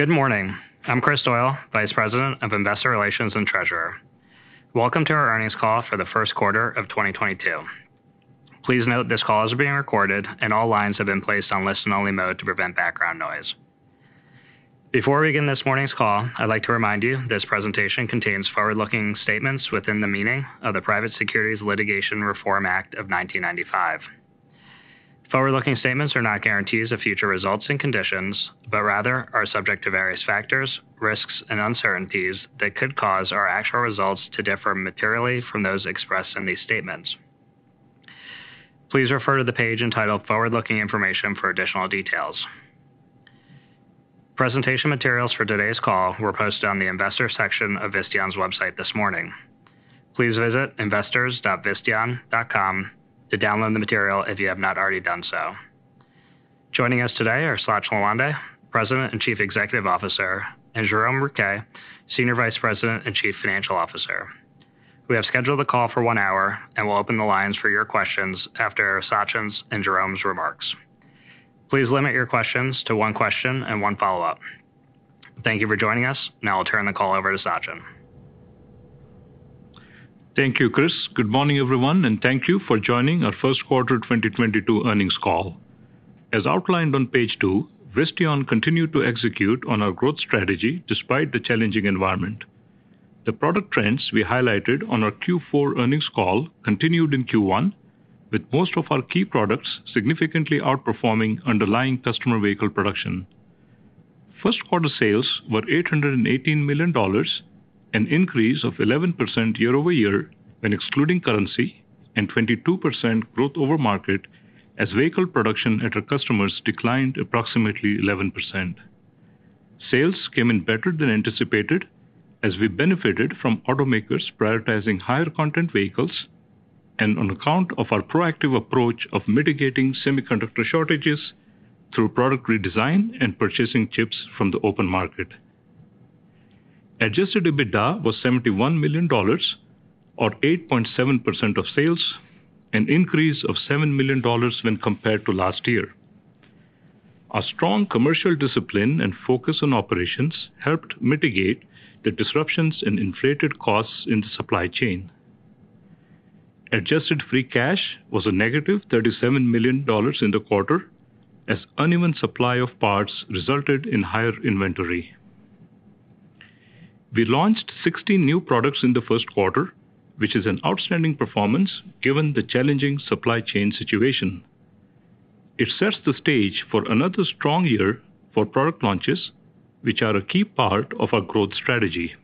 Good morning. I'm Kris Doyle, Vice President of Investor Relations and Treasurer. Welcome to our Earnings Call for the First Quarter of 2022. Please note this call is being recorded, and all lines have been placed on listen-only mode to prevent background noise. Before we begin this morning's call, I'd like to remind you this presentation contains forward-looking statements within the meaning of the Private Securities Litigation Reform Act of 1995. Forward-looking statements are not guarantees of future results and conditions, but rather are subject to various factors, risks, and uncertainties that could cause our actual results to differ materially from those expressed in these statements. Please refer to the page entitled Forward-Looking Information for additional details. Presentation materials for today's call were posted on the Investors Section of Visteon's website this morning. Please visit investors.visteon.com to download the material if you have not already done so. Joining us today are Sachin Lawande, President and Chief Executive Officer, and Jerome Rouquet, Senior Vice President and Chief Financial Officer. We have scheduled the call for one hour and will open the lines for your questions after Sachin's and Jerome's remarks. Please limit your questions to one question and one follow-up. Thank you for joining us. Now I'll turn the call over to Sachin. Thank you, Kris. Good morning, everyone, and thank you for joining our first quarter 2022 earnings call. As outlined on page 2, Visteon continued to execute on our growth strategy despite the challenging environment. The product trends we highlighted on our Q4 earnings call continued in Q1, with most of our key products significantly outperforming underlying customer vehicle production. First quarter sales were $818 million, an increase of 11% year-over-year when excluding currency and 22% growth over market as vehicle production at our customers declined approximately 11%. Sales came in better than anticipated as we benefited from automakers prioritizing higher content vehicles and on account of our proactive approach of mitigating semiconductor shortages through product redesign and purchasing chips from the open market. Adjusted EBITDA was $71 million or 8.7% of sales, an increase of $7 million when compared to last year. Our strong commercial discipline and focus on operations helped mitigate the disruptions in inflated costs in the supply chain. Adjusted free cash was -$37 million in the quarter as uneven supply of parts resulted in higher inventory. We launched 60 new products in the first quarter, which is an outstanding performance given the challenging supply chain situation. It sets the stage for another strong year for product launches, which are a key part of our growth strategy.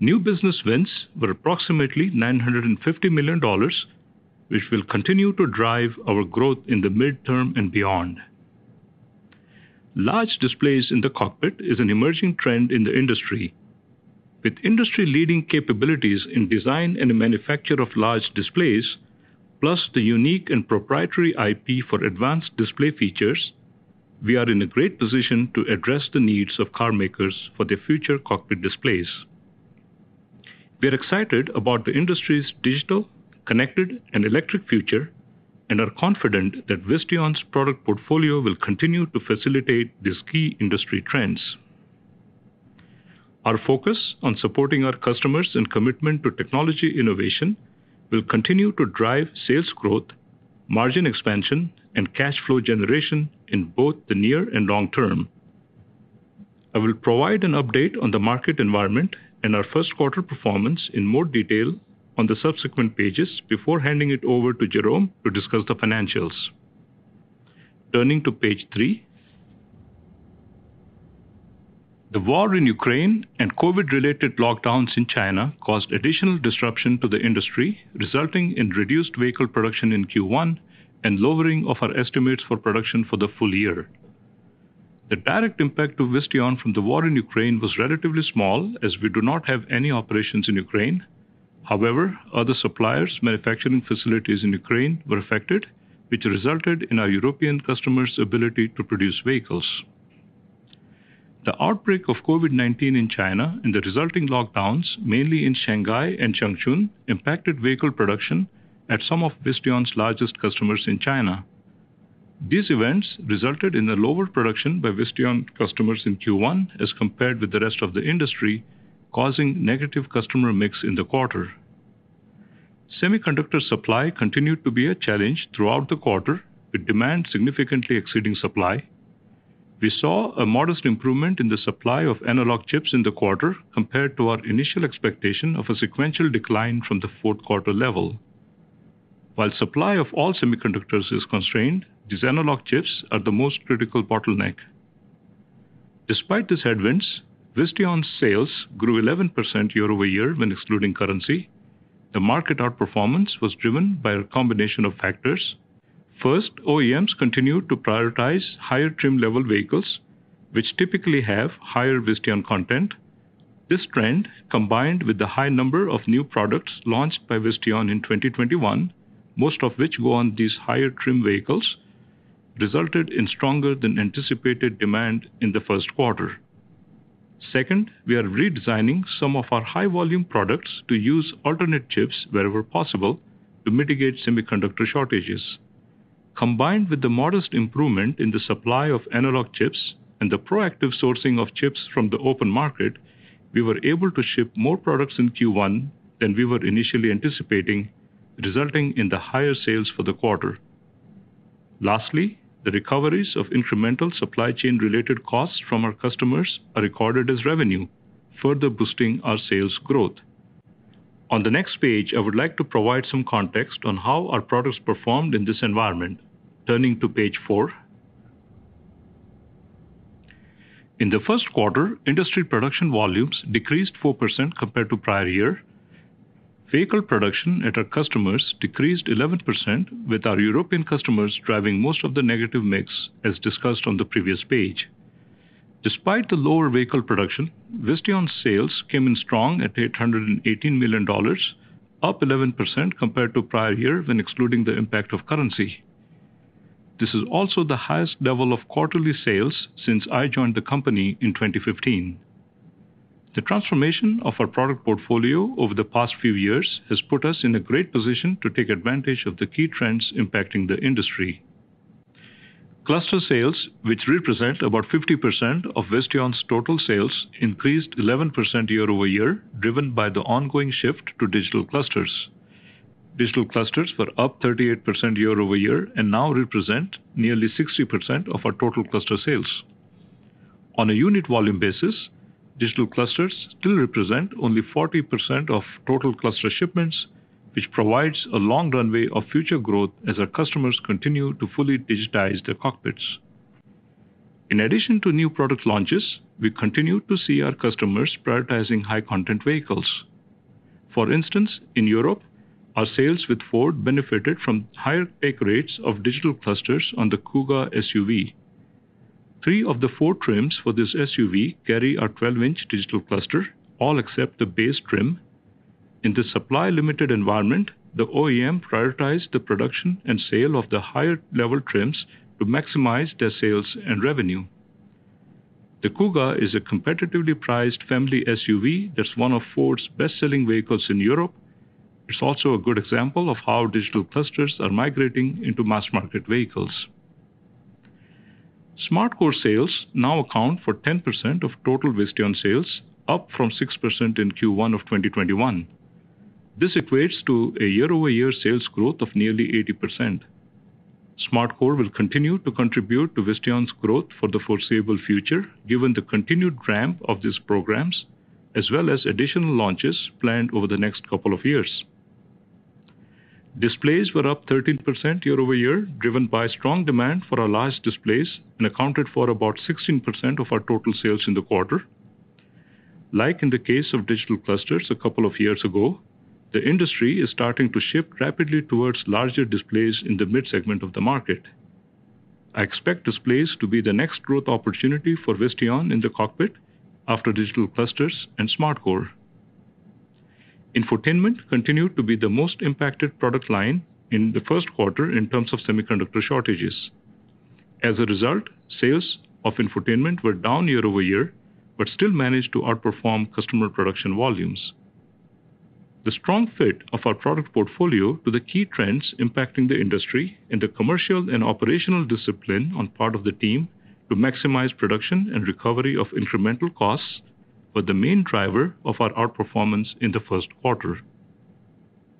New business wins were approximately $950 million, which will continue to drive our growth in the mid-term and beyond. Large displays in the cockpit is an emerging trend in the industry. With industry-leading capabilities in design and manufacture of large displays, plus the unique and proprietary IP for advanced display features, we are in a great position to address the needs of carmakers for their future cockpit displays. We are excited about the industry's digital, connected, and electric future, and are confident that Visteon's product portfolio will continue to facilitate these key industry trends. Our focus on supporting our customers and commitment to technology innovation will continue to drive sales growth, margin expansion, and cash flow generation in both the near and long term. I will provide an update on the market environment and our first quarter performance in more detail on the subsequent pages before handing it over to Jerome to discuss the financials. Turning to page three, the war in Ukraine and COVID-related lockdowns in China caused additional disruption to the industry, resulting in reduced vehicle production in Q1 and lowering of our estimates for production for the full-year. The direct impact of Visteon from the war in Ukraine was relatively small, as we do not have any operations in Ukraine. However, other suppliers' manufacturing facilities in Ukraine were affected, which resulted in our European customers' ability to produce vehicles. The outbreak of COVID-19 in China and the resulting lockdowns, mainly in Shanghai and Changchun, impacted vehicle production at some of Visteon's largest customers in China. These events resulted in a lower production by Visteon customers in Q1 as compared with the rest of the industry, causing negative customer mix in the quarter. Semiconductor supply continued to be a challenge throughout the quarter, with demand significantly exceeding supply. We saw a modest improvement in the supply of analog chips in the quarter compared to our initial expectation of a sequential decline from the fourth quarter level. While supply of all semiconductors is constrained, these analog chips are the most critical bottleneck. Despite these headwinds, Visteon's sales grew 11% year-over-year when excluding currency. The market outperformance was driven by a combination of factors. First, OEMs continued to prioritize higher trim-level vehicles, which typically have higher Visteon content. This trend, combined with the high number of new products launched by Visteon in 2021, most of which go on these higher trim vehicles, resulted in stronger than anticipated demand in the first quarter. Second, we are redesigning some of our high-volume products to use alternate chips wherever possible to mitigate semiconductor shortages. Combined with the modest improvement in the supply of analog chips and the proactive sourcing of chips from the open market, we were able to ship more products in Q1 than we were initially anticipating, resulting in the higher sales for the quarter. Lastly, the recoveries of incremental supply chain related costs from our customers are recorded as revenue, further boosting our sales growth. On the next page, I would like to provide some context on how our products performed in this environment. Turning to page four. In the first quarter, industry production volumes decreased 4% compared to prior year. Vehicle production at our customers decreased 11%, with our European customers driving most of the negative mix, as discussed on the previous page. Despite the lower vehicle production, Visteon sales came in strong at $818 million, up 11% compared to prior year when excluding the impact of currency. This is also the highest level of quarterly sales since I joined the company in 2015. The transformation of our product portfolio over the past few years has put us in a great position to take advantage of the key trends impacting the industry. Cluster sales, which represent about 50% of Visteon's total sales, increased 11% year-over-year, driven by the ongoing shift to digital clusters. Digital clusters were up 38% year-over-year and now represent nearly 60% of our total cluster sales. On a unit volume basis, digital clusters still represent only 40% of total cluster shipments, which provides a long runway of future growth as our customers continue to fully digitize their cockpits. In addition to new product launches, we continue to see our customers prioritizing high content vehicles. For instance, in Europe, our sales with Ford benefited from higher take rates of digital clusters on the Kuga SUV. 3 of the 4 trims for this SUV carry our 12-inch digital cluster, all except the base trim. In the supply-limited environment, the OEM prioritized the production and sale of the higher level trims to maximize their sales and revenue. The Kuga is a competitively priced family SUV that's one of Ford's best-selling vehicles in Europe. It's also a good example of how digital clusters are migrating into mass-market vehicles. SmartCore sales now account for 10% of total Visteon sales, up from 6% in Q1 of 2021. This equates to a year-over-year sales growth of nearly 80%. SmartCore will continue to contribute to Visteon's growth for the foreseeable future, given the continued ramp of these programs, as well as additional launches planned over the next couple of years. Displays were up 13% year-over-year, driven by strong demand for our large displays and accounted for about 16% of our total sales in the quarter. Like in the case of digital clusters a couple of years ago, the industry is starting to shift rapidly towards larger displays in the mid-segment of the market. I expect displays to be the next growth opportunity for Visteon in the cockpit after digital clusters and SmartCore. Infotainment continued to be the most impacted product line in the first quarter in terms of semiconductor shortages. As a result, sales of infotainment were down year-over-year, but still managed to outperform customer production volumes. The strong fit of our product portfolio to the key trends impacting the industry and the commercial and operational discipline on part of the team to maximize production and recovery of incremental costs were the main driver of our outperformance in the first quarter.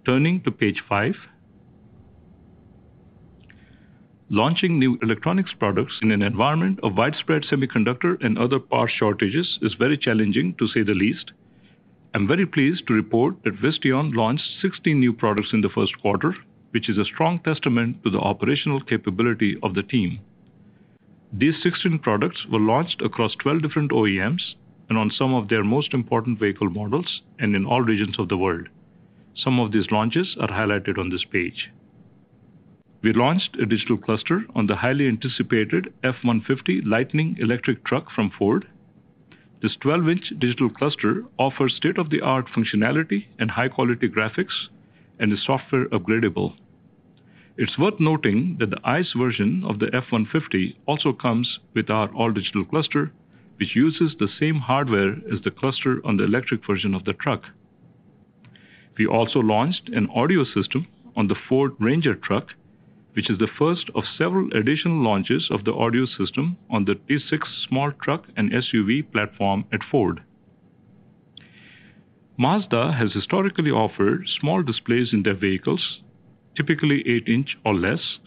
Turning to page 5. Launching new electronics products in an environment of widespread semiconductor and other parts shortages is very challenging, to say the least. I'm very pleased to report that Visteon launched 16 new products in the first quarter, which is a strong testament to the operational capability of the team. These 16 products were launched across 12 different OEMs and on some of their most important vehicle models and in all regions of the world. Some of these launches are highlighted on this page. We launched a digital cluster on the highly anticipated F-150 Lightning electric truck from Ford. This 12-inch digital cluster offers state-of-the-art functionality and high-quality graphics, and is software upgradable. It's worth noting that the ICE version of the F-150 also comes with our all-digital cluster, which uses the same hardware as the cluster on the electric version of the truck. We also launched an audio system on the Ford Ranger truck, which is the first of several additional launches of the audio system on the T6 small truck and SUV platform at Ford. Mazda has historically offered small displays in their vehicles, typically 8-inch or less.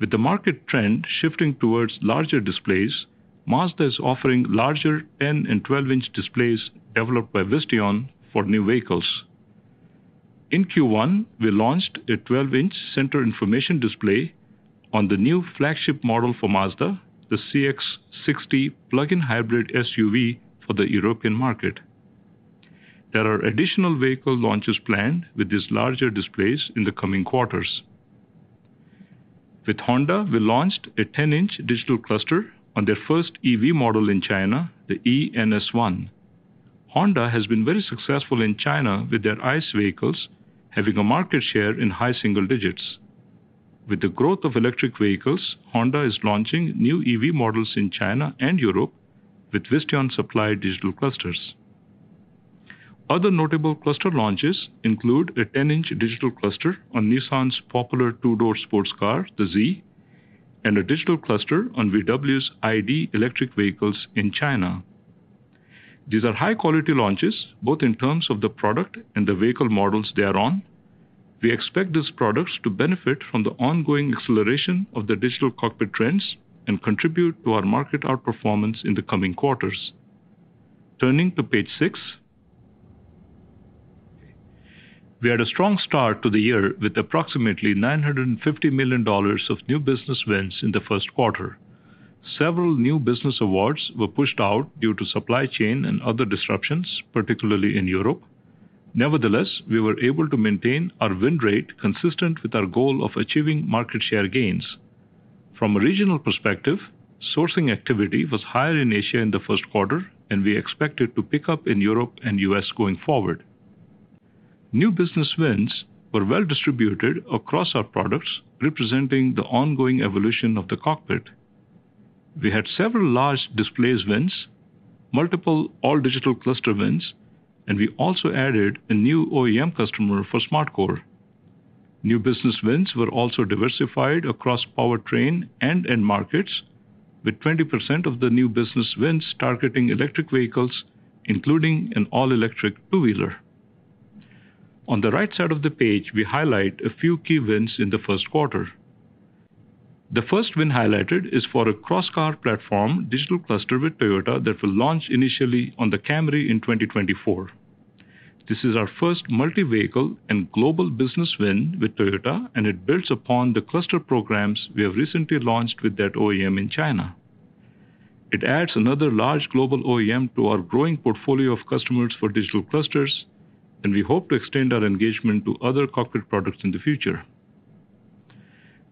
With the market trend shifting towards larger displays, Mazda is offering larger 10- and 12-inch displays developed by Visteon for new vehicles. In Q1, we launched a 12-inch center information display on the new flagship model for Mazda, the CX-60 plug-in hybrid SUV for the European market. There are additional vehicle launches planned with these larger displays in the coming quarters. With Honda, we launched a 10-inch digital cluster on their first EV model in China, the e:NS1. Honda has been very successful in China with their ICE vehicles having a market share in high single digits%. With the growth of electric vehicles, Honda is launching new EV models in China and Europe with Visteon supply digital clusters. Other notable cluster launches include a 10-inch digital cluster on Nissan's popular two-door sports car, the Z, and a digital cluster on VW's ID. electric vehicles in China. These are high-quality launches, both in terms of the product and the vehicle models they are on. We expect these products to benefit from the ongoing acceleration of the digital cockpit trends and contribute to our market outperformance in the coming quarters. Turning to page six. We had a strong start to the year with approximately $950 million of new business wins in the first quarter. Several new business awards were pushed out due to supply chain and other disruptions, particularly in Europe. Nevertheless, we were able to maintain our win rate consistent with our goal of achieving market share gains. From a regional perspective, sourcing activity was higher in Asia in the first quarter, and we expect it to pick up in Europe and US going forward. New business wins were well distributed across our products, representing the ongoing evolution of the cockpit. We had several large displays wins, multiple all-digital cluster wins, and we also added a new OEM customer for SmartCore. New business wins were also diversified across powertrain and end markets, with 20% of the new business wins targeting electric vehicles, including an all-electric two-wheeler. On the right side of the page, we highlight a few key wins in the first quarter. The first win highlighted is for a cross-car platform digital cluster with Toyota that will launch initially on the Camry in 2024. This is our first multi-vehicle and global business win with Toyota, and it builds upon the cluster programs we have recently launched with that OEM in China. It adds another large global OEM to our growing portfolio of customers for digital clusters, and we hope to extend our engagement to other cockpit products in the future.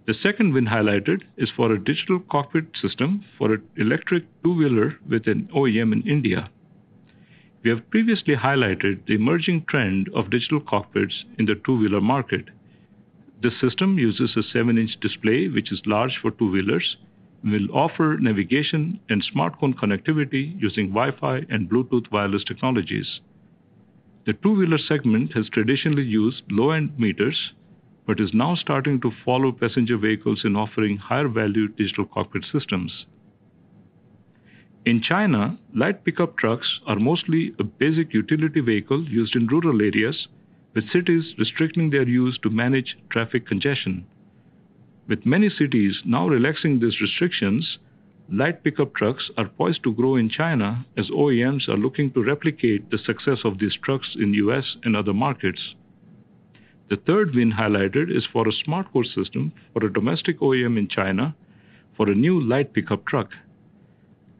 The second win highlighted is for a digital cockpit system for an electric two-wheeler with an OEM in India. We have previously highlighted the emerging trend of digital cockpits in the two-wheeler market. This system uses a seven-inch display, which is large for two-wheelers, and will offer navigation and smartphone connectivity using Wi-Fi and Bluetooth wireless technologies. The two-wheeler segment has traditionally used low-end meters, but is now starting to follow passenger vehicles in offering higher value digital cockpit systems. In China, light pickup trucks are mostly a basic utility vehicle used in rural areas, with cities restricting their use to manage traffic congestion. With many cities now relaxing these restrictions, light pickup trucks are poised to grow in China as OEMs are looking to replicate the success of these trucks in U.S. and other markets. The third win highlighted is for a SmartCore system for a domestic OEM in China for a new light pickup truck.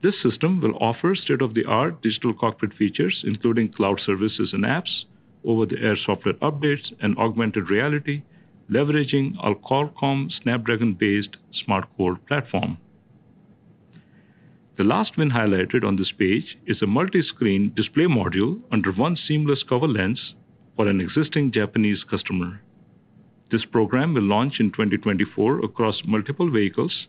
This system will offer state-of-the-art digital cockpit features, including cloud services and apps, over-the-air software updates, and augmented reality, leveraging our Qualcomm Snapdragon-based SmartCore platform. The last win highlighted on this page is a multi-screen display module under one seamless cover lens for an existing Japanese customer. This program will launch in 2024 across multiple vehicles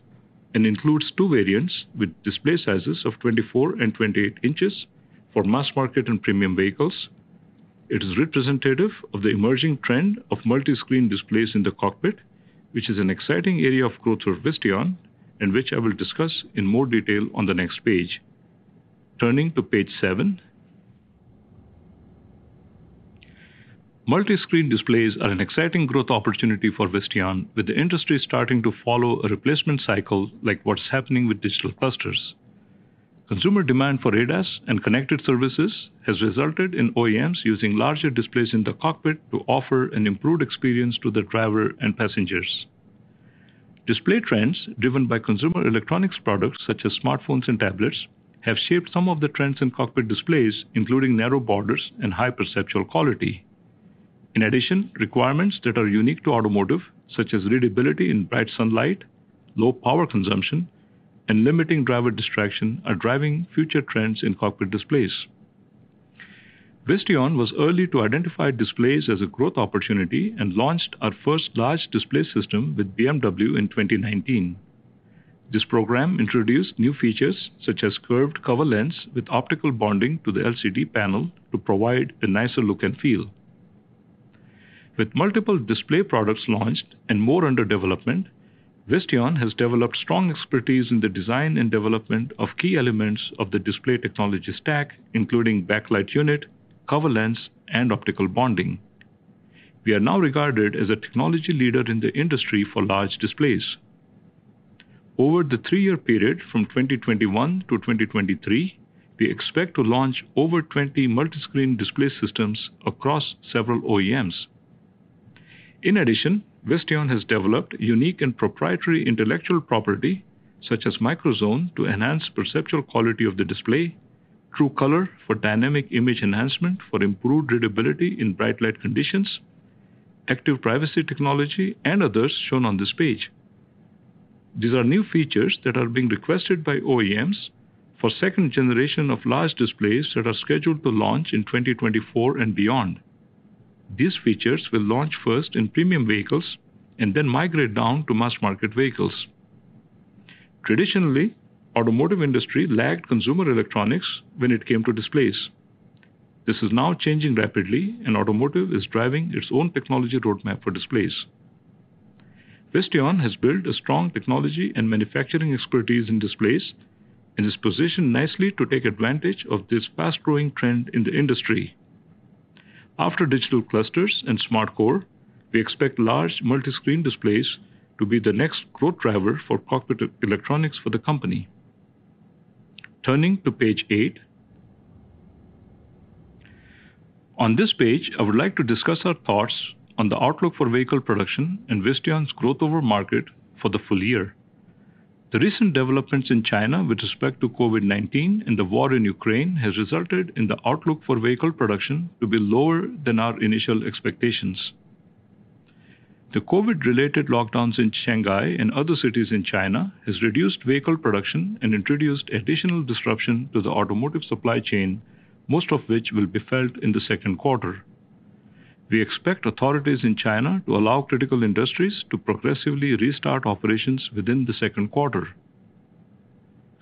and includes two variants with display sizes of 24 and 28 inches for mass market and premium vehicles. It is representative of the emerging trend of multi-screen displays in the cockpit, which is an exciting area of growth for Visteon, and which I will discuss in more detail on the next page. Turning to page 7. Multi-screen displays are an exciting growth opportunity for Visteon, with the industry starting to follow a replacement cycle like what's happening with digital clusters. Consumer demand for ADAS and connected services has resulted in OEMs using larger displays in the cockpit to offer an improved experience to the driver and passengers. Display trends driven by consumer electronics products such as smartphones and tablets have shaped some of the trends in cockpit displays, including narrow borders and high perceptual quality. In addition, requirements that are unique to automotive, such as readability in bright sunlight, low power consumption, and limiting driver distraction are driving future trends in cockpit displays. Visteon was early to identify displays as a growth opportunity and launched our first large display system with BMW in 2019. This program introduced new features such as curved cover lens with optical bonding to the LCD panel to provide a nicer look and feel. With multiple display products launched and more under development, Visteon has developed strong expertise in the design and development of key elements of the display technology stack, including backlight unit, cover lens, and optical bonding. We are now regarded as a technology leader in the industry for large displays. Over the three-year period from 2021 to 2023, we expect to launch over 20 multi-screen display systems across several OEMs. In addition, Visteon has developed unique and proprietary intellectual property such as MicroZone to enhance perceptual quality of the display, TrueColor for dynamic image enhancement for improved readability in bright light conditions, active privacy technology, and others shown on this page. These are new features that are being requested by OEMs for second generation of large displays that are scheduled to launch in 2024 and beyond. These features will launch first in premium vehicles and then migrate down to mass market vehicles. Traditionally, automotive industry lagged consumer electronics when it came to displays. This is now changing rapidly, and automotive is driving its own technology roadmap for displays. Visteon has built a strong technology and manufacturing expertise in displays and is positioned nicely to take advantage of this fast-growing trend in the industry. After digital clusters and SmartCore, we expect large multi-screen displays to be the next growth driver for cockpit electronics for the company. Turning to page 8. On this page, I would like to discuss our thoughts on the outlook for vehicle production and Visteon's growth over market for the full-year. The recent developments in China with respect to COVID-19 and the war in Ukraine has resulted in the outlook for vehicle production to be lower than our initial expectations. The COVID-related lockdowns in Shanghai and other cities in China has reduced vehicle production and introduced additional disruption to the automotive supply chain, most of which will be felt in the second quarter. We expect authorities in China to allow critical industries to progressively restart operations within the second quarter.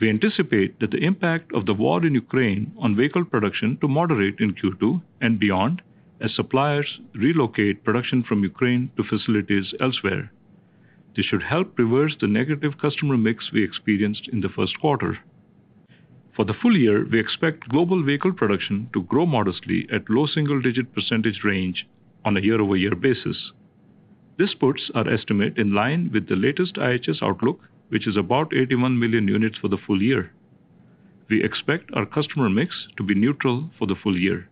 We anticipate that the impact of the war in Ukraine on vehicle production to moderate in Q2 and beyond as suppliers relocate production from Ukraine to facilities elsewhere. This should help reverse the negative customer mix we experienced in the first quarter. For the full-year, we expect global vehicle production to grow modestly at low single-digit % range on a year-over-year basis. This puts our estimate in line with the latest IHS outlook, which is about 81 million units for the full-year. We expect our customer mix to be neutral for the full-year.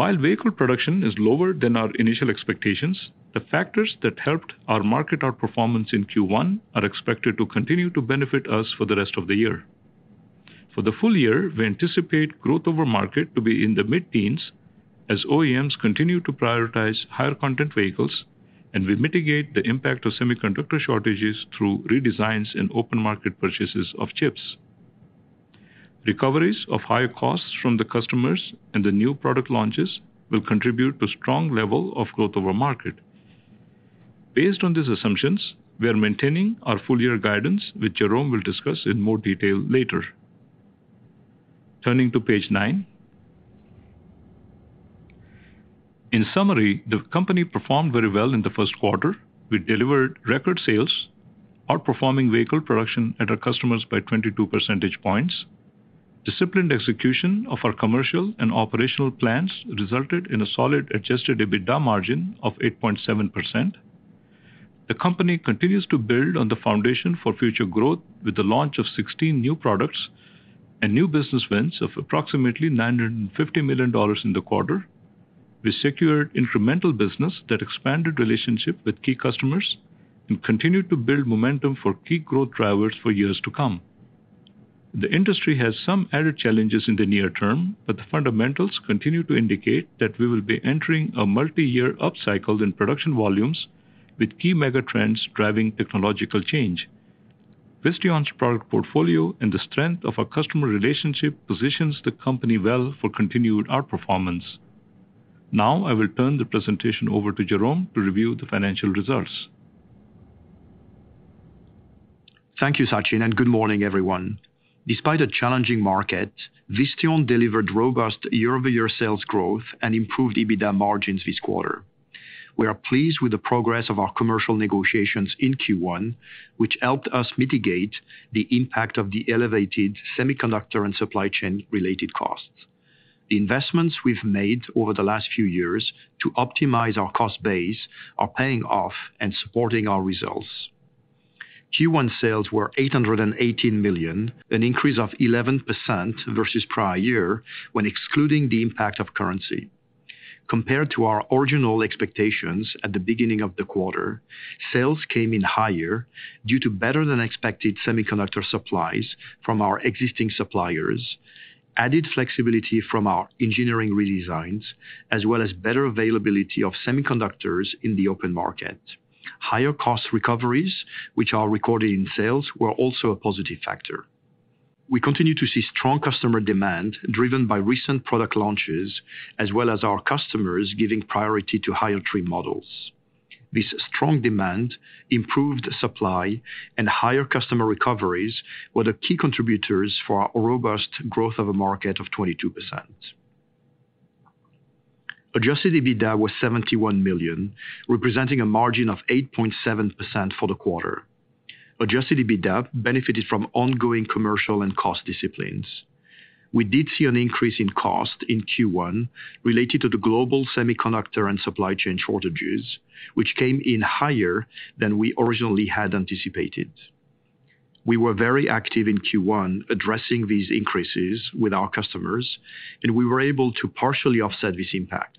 While vehicle production is lower than our initial expectations, the factors that helped our market outperformance in Q1 are expected to continue to benefit us for the rest of the year. For the full-year, we anticipate growth over market to be in the mid-teens as OEMs continue to prioritize higher content vehicles, and we mitigate the impact of semiconductor shortages through redesigns and open market purchases of chips. Recoveries of higher costs from the customers and the new product launches will contribute to strong level of growth over market. Based on these assumptions, we are maintaining our full-year guidance, which Jerome will discuss in more detail later. Turning to page nine. In summary, the company performed very well in the first quarter. We delivered record sales, outperforming vehicle production at our customers by 22 percentage points. Disciplined execution of our commercial and operational plans resulted in a solid adjusted EBITDA margin of 8.7%. The company continues to build on the foundation for future growth with the launch of 16 new products and new business wins of approximately $950 million in the quarter. We secured incremental business that expanded relationship with key customers and continued to build momentum for key growth drivers for years to come. The industry has some added challenges in the near term, but the fundamentals continue to indicate that we will be entering a multi-year upcycle in production volumes with key mega trends driving technological change. Visteon's product portfolio and the strength of our customer relationship positions the company well for continued outperformance. Now I will turn the presentation over to Jerome to review the financial results. Thank you, Sachin, and good morning, everyone. Despite a challenging market, Visteon delivered robust year-over-year sales growth and improved EBITDA margins this quarter. We are pleased with the progress of our commercial negotiations in Q1, which helped us mitigate the impact of the elevated semiconductor and supply chain-related costs. The investments we've made over the last few years to optimize our cost base are paying off and supporting our results. Q1 sales were $818 million, an increase of 11% versus prior year when excluding the impact of currency. Compared to our original expectations at the beginning of the quarter, sales came in higher due to better-than-expected semiconductor supplies from our existing suppliers, added flexibility from our engineering redesigns, as well as better availability of semiconductors in the open market. Higher cost recoveries, which are recorded in sales, were also a positive factor. We continue to see strong customer demand driven by recent product launches, as well as our customers giving priority to higher trade models. This strong demand, improved supply, and higher customer recoveries were the key contributors for our robust growth of a market of 22%. Adjusted EBITDA was $71 million, representing a margin of 8.7% for the quarter. Adjusted EBITDA benefited from ongoing commercial and cost disciplines. We did see an increase in cost in Q1 related to the global semiconductor and supply chain shortages, which came in higher than we originally had anticipated. We were very active in Q1 addressing these increases with our customers, and we were able to partially offset this impact.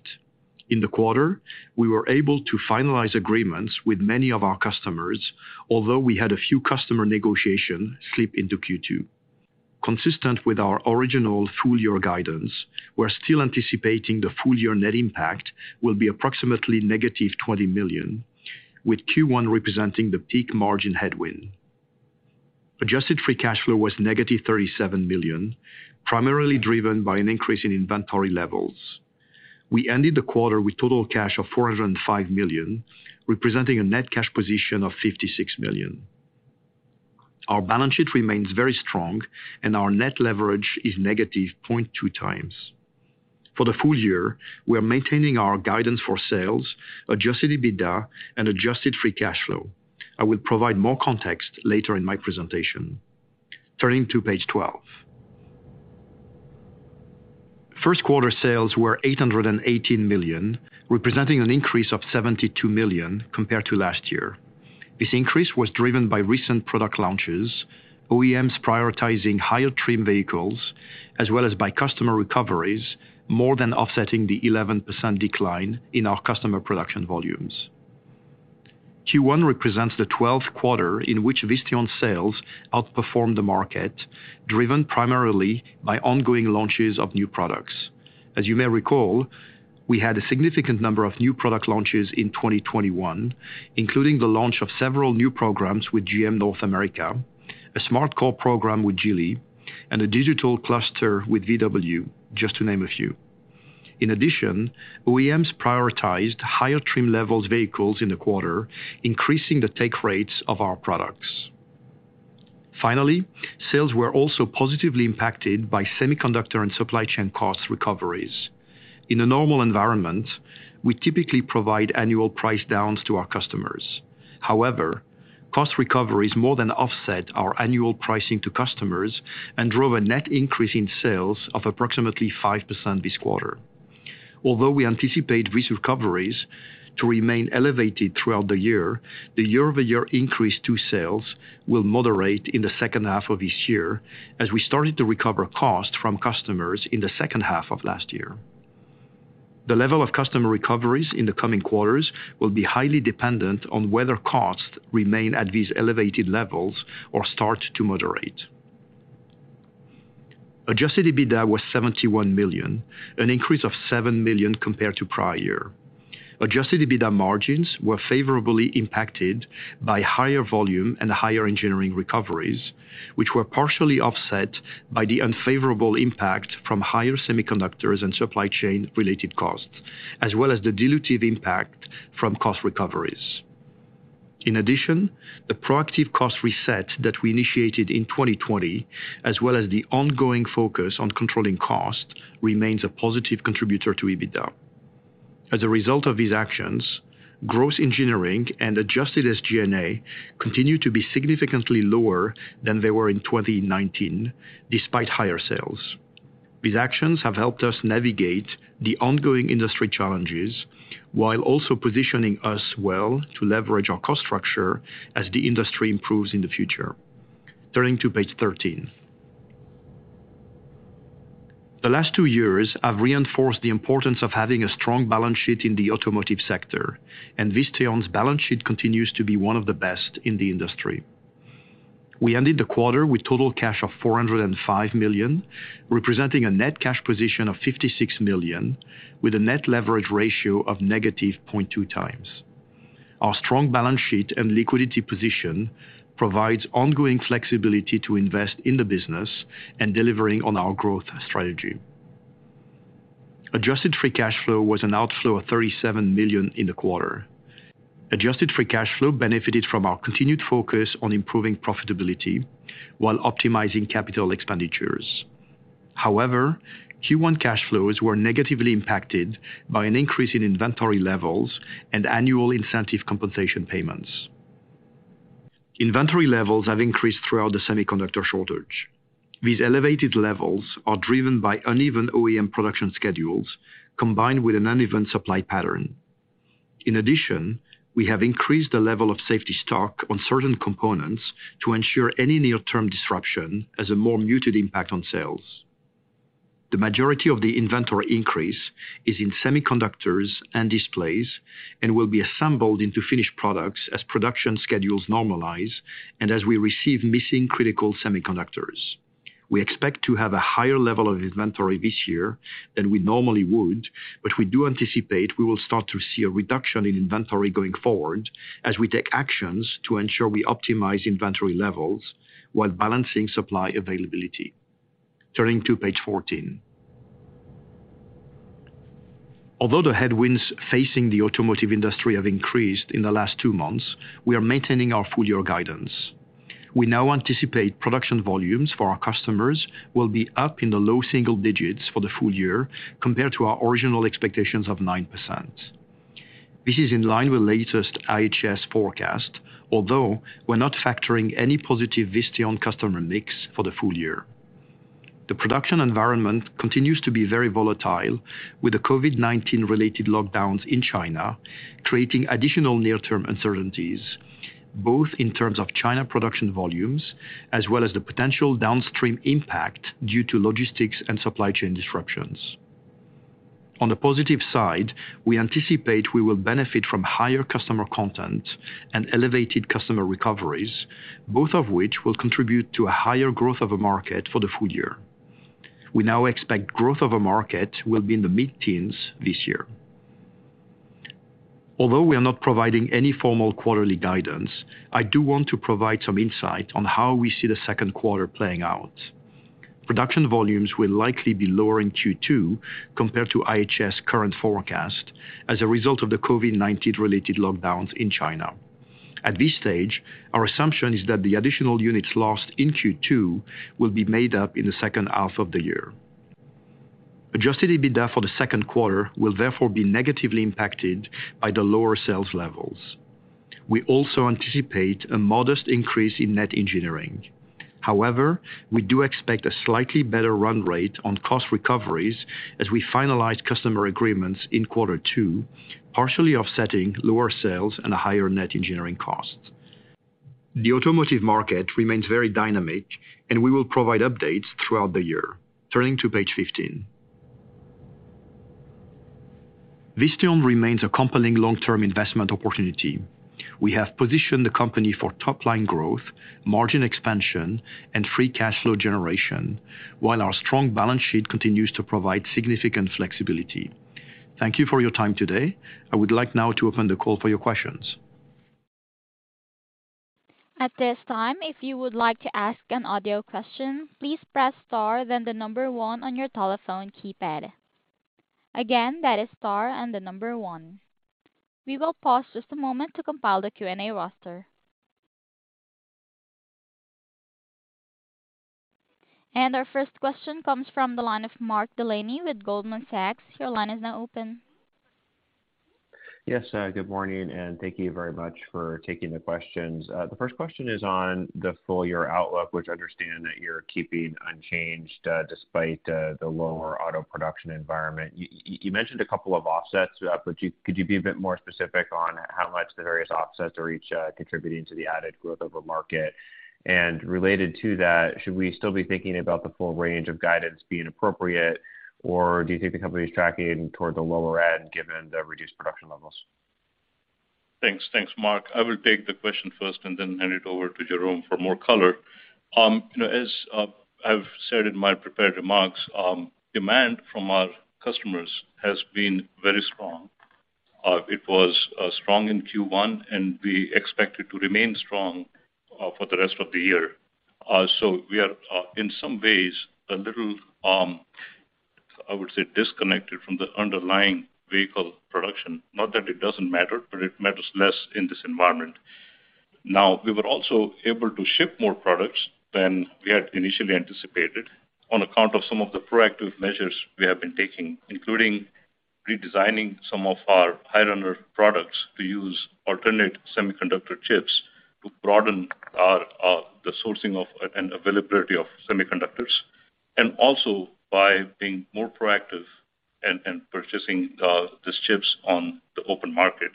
In the quarter, we were able to finalize agreements with many of our customers, although we had a few customer negotiations slipped into Q2. Consistent with our original full-year guidance, we're still anticipating the full-year net impact will be approximately negative $20 million, with Q1 representing the peak margin headwind. Adjusted free cash flow was negative $37 million, primarily driven by an increase in inventory levels. We ended the quarter with total cash of $405 million, representing a net cash position of $56 million. Our balance sheet remains very strong, and our net leverage is negative 0.2 times. For the full-year, we are maintaining our guidance for sales, adjusted EBITDA, and adjusted free cash flow. I will provide more context later in my presentation. Turning to page 12. First quarter sales were $818 million, representing an increase of $72 million compared to last year. This increase was driven by recent product launches, OEMs prioritizing higher trim vehicles, as well as by customer recoveries, more than offsetting the 11% decline in our customer production volumes. Q1 represents the 12th quarter in which Visteon sales outperformed the market, driven primarily by ongoing launches of new products. As you may recall, we had a significant number of new product launches in 2021, including the launch of several new programs with GM North America, a SmartCore program with Geely, and a digital cluster with VW, just to name a few. In addition, OEMs prioritized higher trim levels vehicles in the quarter, increasing the take rates of our products. Finally, sales were also positively impacted by semiconductor and supply chain cost recoveries. In a normal environment, we typically provide annual price downs to our customers. However, cost recoveries more than offset our annual pricing to customers and drove a net increase in sales of approximately 5% this quarter. Although we anticipate these recoveries to remain elevated throughout the year, the year-over-year increase to sales will moderate in the second half of this year as we started to recover costs from customers in the second half of last year. The level of customer recoveries in the coming quarters will be highly dependent on whether costs remain at these elevated levels or start to moderate. Adjusted EBITDA was $71 million, an increase of $7 million compared to prior year. Adjusted EBITDA margins were favorably impacted by higher volume and higher engineering recoveries, which were partially offset by the unfavorable impact from higher semiconductors and supply chain-related costs, as well as the dilutive impact from cost recoveries. In addition, the proactive cost reset that we initiated in 2020, as well as the ongoing focus on controlling costs, remains a positive contributor to EBITDA. As a result of these actions, gross engineering and adjusted SG&A continue to be significantly lower than they were in 2019, despite higher sales. These actions have helped us navigate the ongoing industry challenges while also positioning us well to leverage our cost structure as the industry improves in the future. Turning to page 13. The last two years have reinforced the importance of having a strong balance sheet in the automotive sector, and Visteon's balance sheet continues to be one of the best in the industry. We ended the quarter with total cash of $405 million, representing a net cash position of $56 million, with a net leverage ratio of -0.2x. Our strong balance sheet and liquidity position provides ongoing flexibility to invest in the business and delivering on our growth strategy. Adjusted free cash flow was an outflow of $37 million in the quarter. Adjusted free cash flow benefited from our continued focus on improving profitability while optimizing capital expenditures. However, Q1 cash flows were negatively impacted by an increase in inventory levels and annual incentive compensation payments. Inventory levels have increased throughout the semiconductor shortage. These elevated levels are driven by uneven OEM production schedules combined with an uneven supply pattern. In addition, we have increased the level of safety stock on certain components to ensure any near-term disruption has a more muted impact on sales. The majority of the inventory increase is in semiconductors and displays and will be assembled into finished products as production schedules normalize and as we receive missing critical semiconductors. We expect to have a higher level of inventory this year than we normally would, but we do anticipate we will start to see a reduction in inventory going forward as we take actions to ensure we optimize inventory levels while balancing supply availability. Turning to page 14. Although the headwinds facing the automotive industry have increased in the last two months, we are maintaining our full-year guidance. We now anticipate production volumes for our customers will be up in the low single digits for the full-year compared to our original expectations of 9%. This is in line with latest IHS forecast, although we're not factoring any positive Visteon customer mix for the full-year. The production environment continues to be very volatile, with the COVID-19-related lockdowns in China creating additional near-term uncertainties, both in terms of China production volumes as well as the potential downstream impact due to logistics and supply chain disruptions. On the positive side, we anticipate we will benefit from higher customer content and elevated customer recoveries, both of which will contribute to a higher growth of a market for the full-year. We now expect growth of a market will be in the mid-teens this year. Although we are not providing any formal quarterly guidance, I do want to provide some insight on how we see the second quarter playing out. Production volumes will likely be lower in Q2 compared to IHS current forecast as a result of the COVID-19 related lockdowns in China. At this stage, our assumption is that the additional units lost in Q2 will be made up in the second half of the year. Adjusted EBITDA for the second quarter will therefore be negatively impacted by the lower sales levels. We also anticipate a modest increase in net engineering. However, we do expect a slightly better run rate on cost recoveries as we finalize customer agreements in quarter two, partially offsetting lower sales and a higher net engineering cost. The automotive market remains very dynamic, and we will provide updates throughout the year. Turning to page 15. Visteon remains a compelling long-term investment opportunity. We have positioned the company for top-line growth, margin expansion, and free cash flow generation, while our strong balance sheet continues to provide significant flexibility. Thank you for your time today. I would like now to open the call for your questions. At this time, if you would like to ask an audio question, please press star, then the number one on your telephone keypad. Again, that is star and the number one. We will pause just a moment to compile the Q&A roster. Our first question comes from the line of Mark Delaney with Goldman Sachs. Your line is now open. Yes, good morning, and thank you very much for taking the questions. The first question is on the full-year outlook, which I understand that you're keeping unchanged, despite the lower auto production environment. You mentioned a couple of offsets to that, but could you be a bit more specific on how much the various offsets are each contributing to the added growth of a market? And related to that, should we still be thinking about the full range of guidance being appropriate, or do you think the company is tracking toward the lower end given the reduced production levels? Thanks. Thanks, Mark. I will take the question first and then hand it over to Jerome for more color. You know, as I've said in my prepared remarks, demand from our customers has been very strong. It was strong in Q1, and we expect it to remain strong for the rest of the year. So we are in some ways a little, I would say, disconnected from the underlying vehicle production. Not that it doesn't matter, but it matters less in this environment. Now, we were also able to ship more products than we had initially anticipated on account of some of the proactive measures we have been taking, including redesigning some of our high runner products to use alternate semiconductor chips to broaden our sourcing of and availability of semiconductors, and also by being more proactive and purchasing these chips on the open market.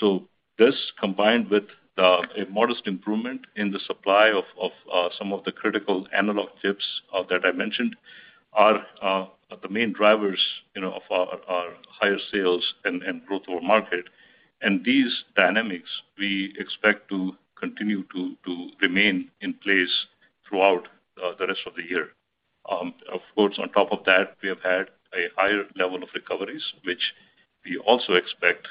So this, combined with a modest improvement in the supply of some of the critical analog chips that I mentioned, are the main drivers, you know, of our higher sales and growth over market. These dynamics we expect to continue to remain in place throughout the rest of the year. Of course, on top of that, we have had a higher level of recoveries, which we also expect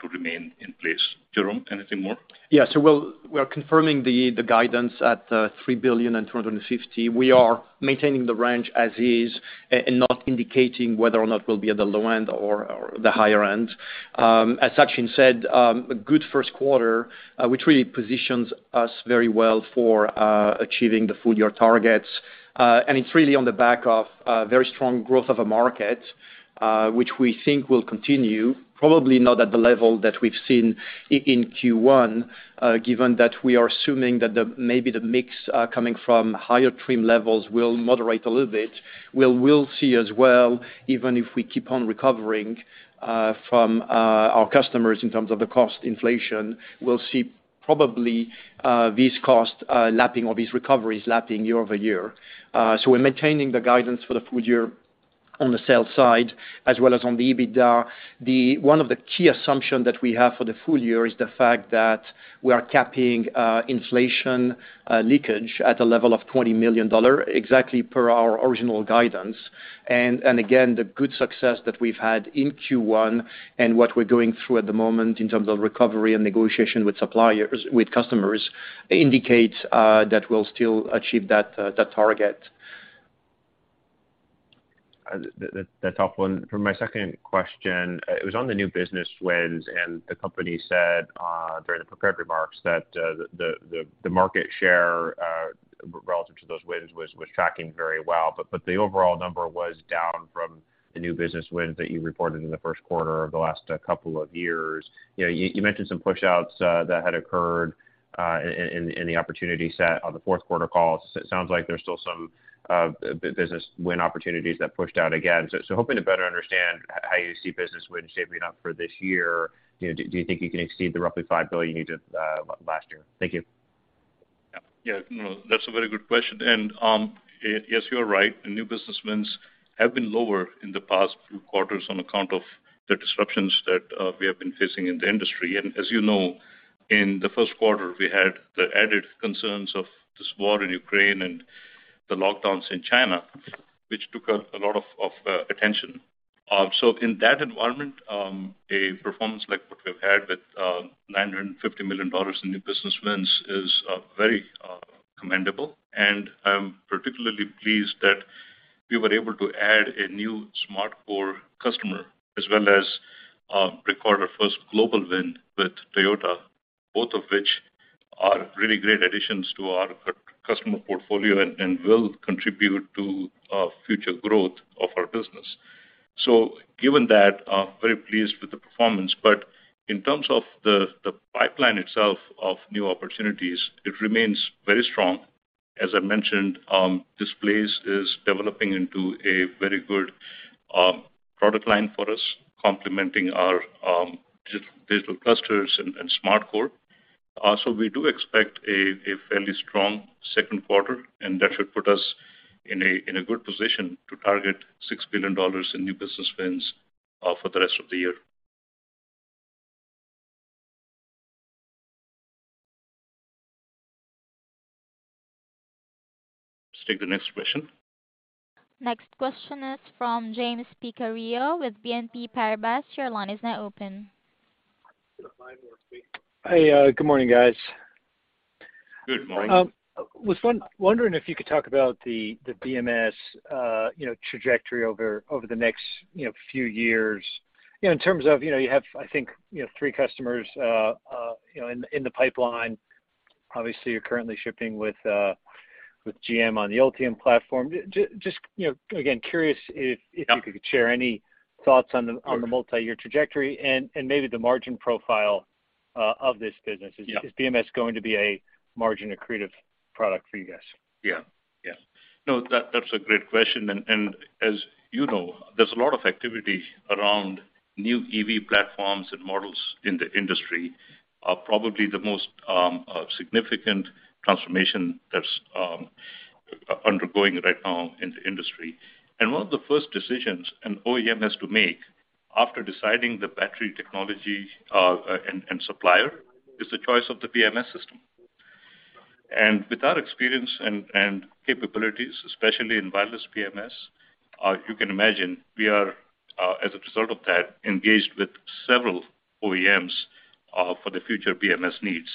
to remain in place. Jerome, anything more? Yeah. We are confirming the guidance at $3.25 billion. We are maintaining the range as is and not indicating whether or not we'll be at the low end or the higher end. As Sachin said, a good first quarter, which really positions us very well for achieving the full-year targets. It's really on the back of very strong growth of a market, which we think will continue, probably not at the level that we've seen in Q1, given that we are assuming that the maybe the mix coming from higher trim levels will moderate a little bit. We'll see as well, even if we keep on recovering from our customers in terms of the cost inflation, we'll see probably these costs lapping or these recoveries lapping year-over-year. We're maintaining the guidance for the full-year on the sales side as well as on the EBITDA. One of the key assumption that we have for the full-year is the fact that we are capping inflation leakage at a level of $20 million, exactly per our original guidance. Again, the good success that we've had in Q1 and what we're going through at the moment in terms of recovery and negotiation with suppliers, with customers indicates that we'll still achieve that target. That's helpful. For my second question, it was on the new business wins, and the company said during the prepared remarks that the market share relative to those wins was tracking very well, but the overall number was down from the new business wins that you reported in the first quarter of the last couple of years. You know, you mentioned some pushouts that had occurred in the opportunity set on the fourth quarter call. It sounds like there's still some business win opportunities that pushed out again. Hoping to better understand how you see business wins shaping up for this year. You know, do you think you can exceed the roughly $5 billion you did last year? Thank you. Yeah, no, that's a very good question. Yes, you are right. The new business wins have been lower in the past few quarters on account of the disruptions that we have been facing in the industry. As you know, in the first quarter, we had the added concerns of this war in Ukraine and the lockdowns in China, which took a lot of attention. So in that environment, a performance like what we've had with $950 million in new business wins is very commendable. I'm particularly pleased that we were able to add a new SmartCore customer, as well as record our first global win with Toyota, both of which are really great additions to our customer portfolio and will contribute to future growth of our business. Given that, I'm very pleased with the performance, but in terms of the pipeline itself of new opportunities, it remains very strong. As I mentioned, displays is developing into a very good product line for us, complementing our digital clusters and SmartCore. We do expect a fairly strong second quarter, and that should put us in a good position to target $6 billion in new business wins for the rest of the year. Let's take the next question. Next question is from James Picariello with BNP Paribas. Your line is now open. Hey, good morning, guys. Good morning. Was wondering if you could talk about the BMS trajectory over the next few years. You know, in terms of, you know, you have, I think, you know, three customers in the pipeline. Obviously, you're currently shipping with GM on the Ultium platform. Just, you know, again, curious if- Yeah. -if you could share any thoughts on the- Sure. on the multi-year trajectory and maybe the margin profile of this business. Yeah. Is BMS going to be a margin-accretive product for you guys? Yeah. Yeah. No, that's a great question. As you know, there's a lot of activity around new EV platforms and models in the industry, probably the most significant transformation that's undergoing right now in the industry. One of the first decisions an OEM has to make after deciding the battery technology and supplier is the choice of the BMS system. With our experience and capabilities, especially in wireless BMS, you can imagine we are, as a result of that, engaged with several OEMs for the future BMS needs.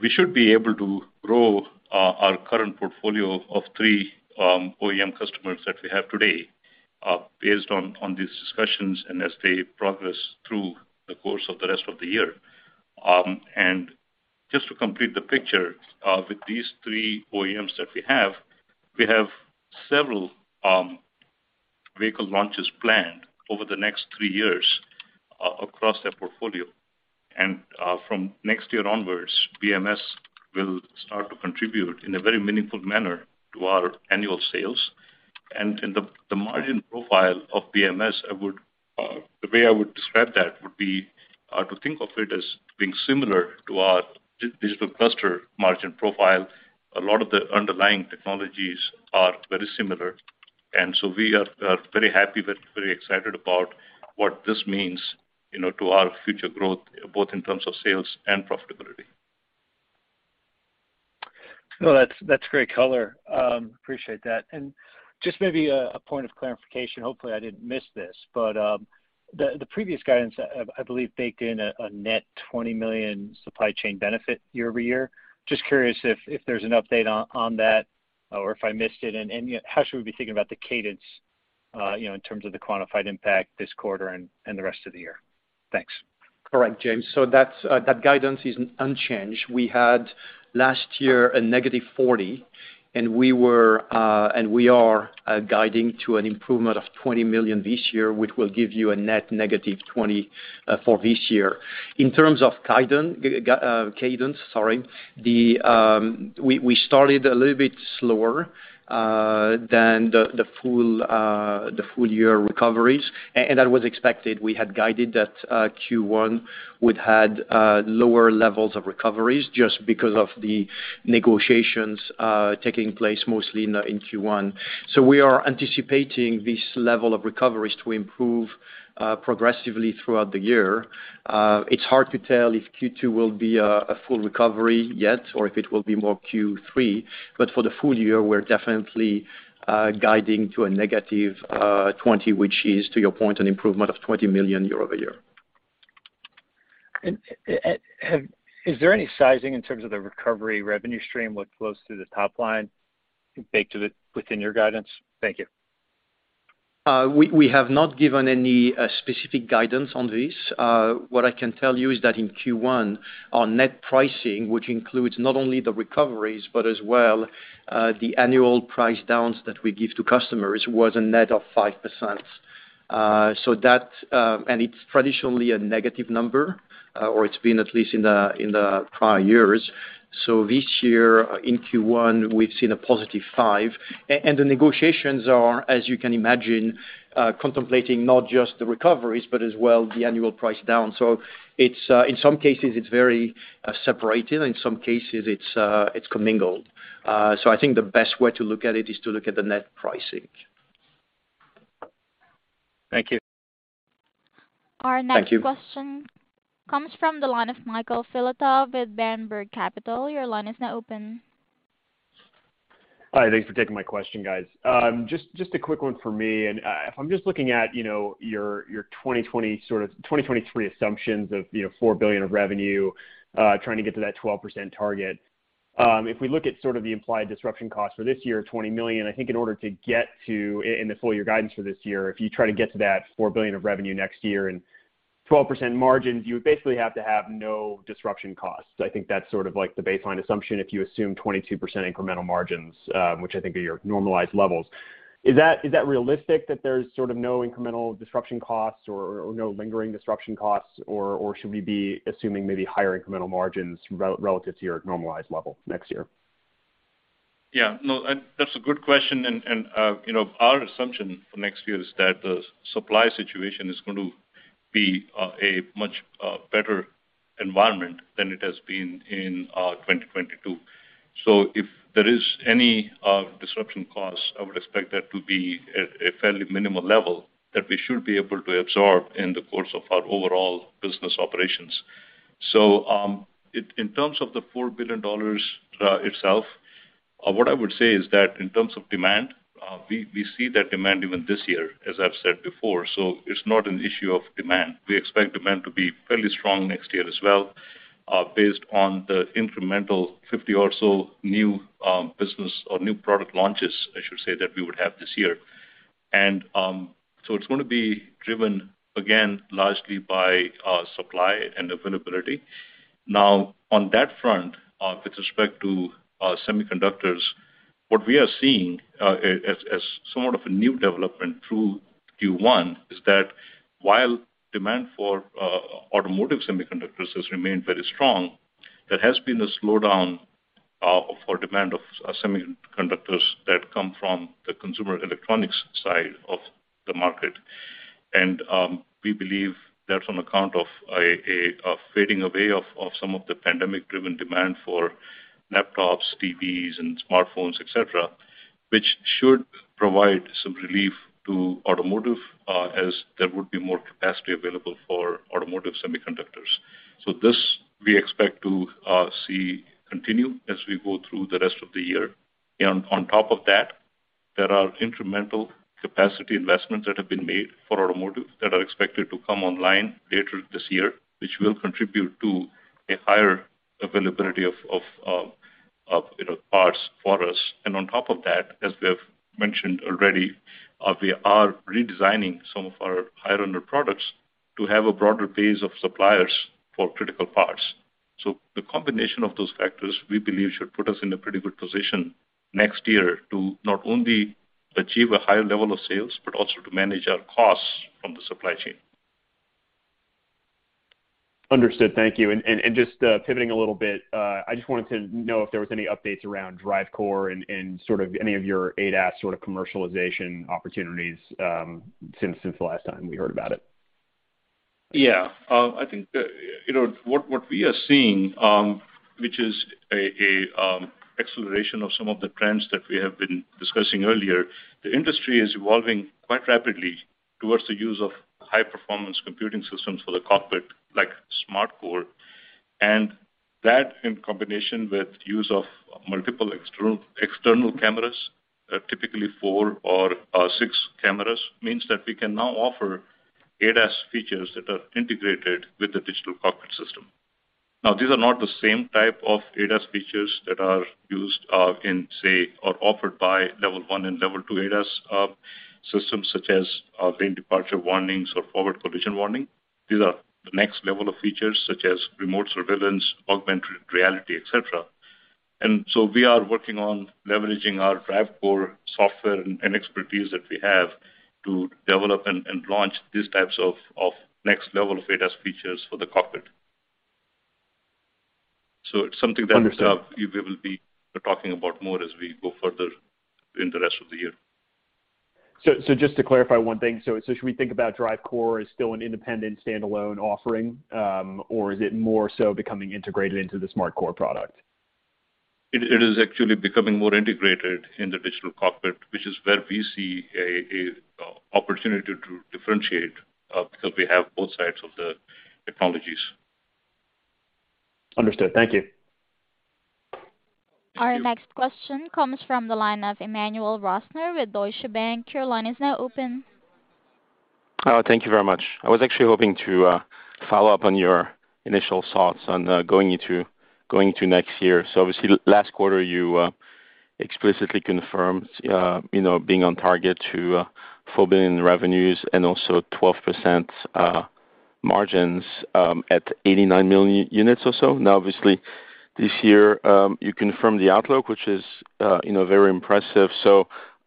We should be able to grow our current portfolio of three OEM customers that we have today, based on these discussions and as they progress through the course of the rest of the year. Just to complete the picture, with these three OEMs that we have, we have several vehicle launches planned over the next three years, across their portfolio. From next year onwards, BMS will start to contribute in a very meaningful manner to our annual sales. In the margin profile of BMS, the way I would describe that would be to think of it as being similar to our digital cluster margin profile. A lot of the underlying technologies are very similar. We are very happy, very excited about what this means, you know, to our future growth, both in terms of sales and profitability. No, that's great color. Appreciate that. Just maybe a point of clarification. Hopefully, I didn't miss this. The previous guidance, I believe, baked in a net $20 million supply chain benefit year-over-year. Just curious if there's an update on that or if I missed it. You know, how should we be thinking about the cadence, you know, in terms of the quantified impact this quarter and the rest of the year? Thanks. Correct, James. That's that guidance is unchanged. We had last year a negative $40 million, and we are guiding to an improvement of $20 million this year, which will give you a net -$20 million for this year. In terms of cadence, sorry, we started a little bit slower than the full-year recoveries and that was expected. We had guided that Q1 would had lower levels of recoveries just because of the negotiations taking place mostly in Q1. We are anticipating this level of recoveries to improve progressively throughout the year. It's hard to tell if Q2 will be a full recovery yet, or if it will be more Q3. for the full-year, we're definitely guiding to a negative $20 million, which is, to your point, an improvement of $20 million year-over-year. Is there any sizing in terms of the recovery revenue stream, what flows through the top-line baked to the, within your guidance? Thank you. We have not given any specific guidance on this. What I can tell you is that in Q1, our net pricing, which includes not only the recoveries, but as well, the annual price downs that we give to customers, was a net of 5%. That, and it's traditionally a negative number, or it's been at least in the prior years. This year in Q1, we've seen a positive 5%. The negotiations are, as you can imagine, contemplating not just the recoveries, but as well the annual price down. It's, in some cases it's very separated, in some cases it's commingled. I think the best way to look at it is to look at the net pricing. Thank you. Our next question. Thank you. Comes from the line of Michael Filatov with Berenberg Capital Markets. Your line is now open. Hi. Thanks for taking my question, guys. Just a quick one for me, and if I'm just looking at, you know, your 2023 assumptions of, you know, $4 billion of revenue, trying to get to that 12% target. If we look at sort of the implied disruption cost for this year, $20 million, I think in order to get to in the full-year guidance for this year, if you try to get to that $4 billion of revenue next year and 12% margins, you would basically have to have no disruption costs. I think that's sort of like the baseline assumption if you assume 22% incremental margins, which I think are your normalized levels. Is that realistic that there's sort of no incremental disruption costs or no lingering disruption costs, or should we be assuming maybe higher incremental margins relative to your normalized level next year? Yeah. No, that's a good question. You know, our assumption for next year is that the supply situation is going to be a much better environment than it has been in 2022. If there is any disruption costs, I would expect that to be at a fairly minimal level that we should be able to absorb in the course of our overall business operations. In terms of the $4 billion itself, what I would say is that in terms of demand, we see that demand even this year, as I've said before, so it's not an issue of demand. We expect demand to be fairly strong next year as well, based on the incremental 50 or so new business or new product launches, I should say, that we would have this year. It's gonna be driven again, largely by supply and availability. Now, on that front, with respect to semiconductors, what we are seeing as sort of a new development through Q1 is that while demand for automotive semiconductors has remained very strong, there has been a slowdown for demand of semiconductors that come from the consumer electronics side of the market. We believe that's on account of a fading away of some of the pandemic-driven demand for laptops, TVs, and smartphones, et cetera, which should provide some relief to automotive as there would be more capacity available for automotive semiconductors. This we expect to see continue as we go through the rest of the year. On top of that, there are incremental capacity investments that have been made for automotive that are expected to come online later this year, which will contribute to a higher availability of you know parts for us. On top of that, as we have mentioned already, we are redesigning some of our high-end products to have a broader base of suppliers for critical parts. The combination of those factors, we believe should put us in a pretty good position next year to not only achieve a higher level of sales, but also to manage our costs from the supply chain. Understood. Thank you. Just pivoting a little bit, I just wanted to know if there was any updates around DriveCore and sort of any of your ADAS sort of commercialization opportunities, since the last time we heard about it. Yeah. I think you know what we are seeing, which is an acceleration of some of the trends that we have been discussing earlier. The industry is evolving quite rapidly towards the use of high-performance computing systems for the cockpit, like SmartCore. That in combination with use of multiple external cameras, typically four or six cameras, means that we can now offer ADAS features that are integrated with the digital cockpit system. Now, these are not the same type of ADAS features that are used in, say, or offered by Level 1 and Level 2 ADAS systems such as lane departure warnings or forward collision warning. These are the next level of features such as remote surveillance, augmented reality, et cetera. We are working on leveraging our DriveCore software and expertise that we have to develop and launch these types of next level of ADAS features for the cockpit. It's something that Understood. We will be talking about more as we go further in the rest of the year. Just to clarify one thing. Should we think about DriveCore as still an independent standalone offering, or is it more so becoming integrated into the SmartCore product? It is actually becoming more integrated in the digital cockpit, which is where we see an opportunity to differentiate, because we have both sides of the technologies. Understood. Thank you. Thank you. Our next question comes from the line of Emmanuel Rosner with Deutsche Bank. Your line is now open. Oh, thank you very much. I was actually hoping to follow up on your initial thoughts on going into next year. Obviously last quarter you explicitly confirmed, you know, being on target to $4 billion revenues and also 12% margins at 89 million units or so. Now obviously this year you confirmed the outlook, which is, you know, very impressive.